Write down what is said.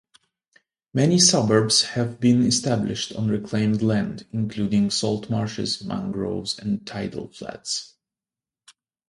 Many suburbs have been established on reclaimed land including saltmarshes, mangroves and tidal flats.